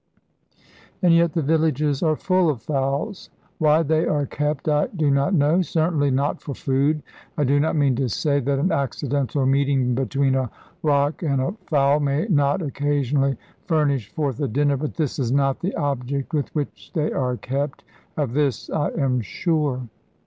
And yet the villages are full of fowls. Why they are kept I do not know. Certainly not for food. I do not mean to say that an accidental meeting between a rock and a fowl may not occasionally furnish forth a dinner, but this is not the object with which they are kept of this I am sure.